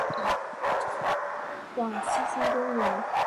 往七星公园